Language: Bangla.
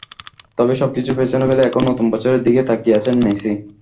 তবে সবকিছু পেছনে ফেলে এখন নতুন বছরের দিকেই তাকিয়ে আছেন মেসি।